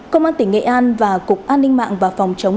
công an tỉnh nghệ an và cục an ninh mạng và phòng chống